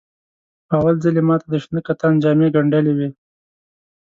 په اول ځل یې ماته د شنه کتان جامې ګنډلې وې.